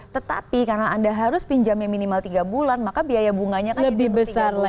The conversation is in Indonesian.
tetapi karena anda harus pinjam minimal tiga bulan maka biaya bunganya kan lebih dari tiga bulan